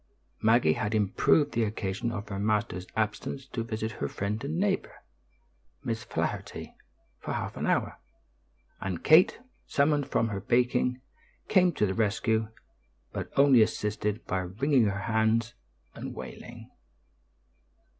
Maggie had improved the occasion of her master's absence to visit her friend and neighbor, Miss Flaherty, for half an hour; and Kate, summoned from her baking, came to the rescue, but only assisted by wringing her hands and wailing.